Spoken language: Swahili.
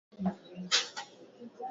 njia bora za kupika viazi lishe